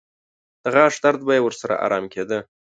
د غاښ درد به یې ورسره ارام کېده.